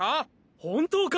本当か！